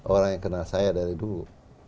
orang yang kenal saya dari dulu